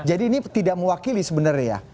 jadi ini tidak mewakili sebenarnya ya